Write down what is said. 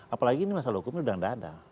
apalagi ini masalah hukumnya sudah tidak ada